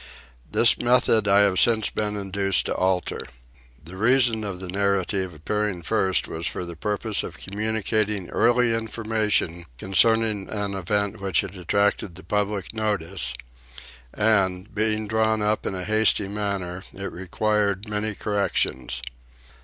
This method I have since been induced to alter. The reason of the Narrative appearing first was for the purpose of communicating early information concerning an event which had attracted the public notice: and, being drawn up in a hasty manner, it required many corrections.